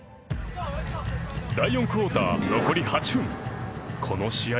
第４クオーター残り８分この試合